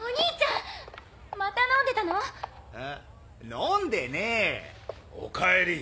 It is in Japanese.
飲んでねえ！お帰り。